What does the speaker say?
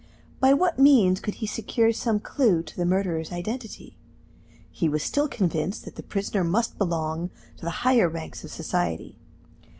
By what means could he secure some clue to the murderer's identity? He was still convinced that the prisoner must belong to the higher ranks of society.